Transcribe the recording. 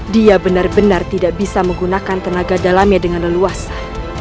dia benar benar tidak bisa menggunakan tenaga dalamnya dengan leluasa